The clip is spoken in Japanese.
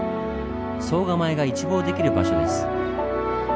総構が一望できる場所です。